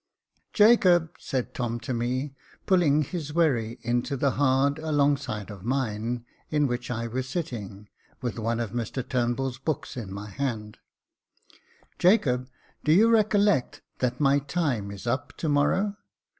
" Jacob," said Tom to me, pulling his wherry into the hard alongside of mine, in which I was sitting, with one of Mr Turnbull's books in my hand ;" Jacob, do you recollect that my time is up to morrow